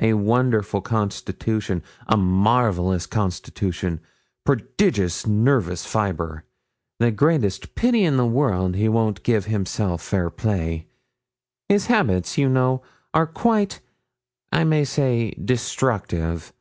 A wonderful constitution a marvellous constitution prodigious nervous fibre; the greatest pity in the world he won't give himself fair play. His habits, you know, are quite, I may say, destructive.